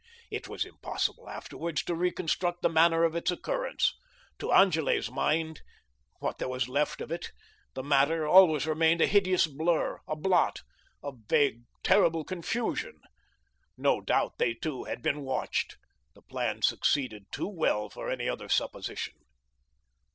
It was impossible afterwards to reconstruct the manner of its occurrence. To Angele's mind what there was left of it the matter always remained a hideous blur, a blot, a vague, terrible confusion. No doubt they two had been watched; the plan succeeded too well for any other supposition.